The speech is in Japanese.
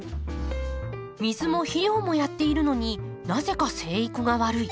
水も肥料もやっているのになぜか生育が悪い。